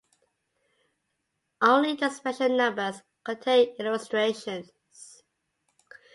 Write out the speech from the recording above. Only the special numbers contained illustrations.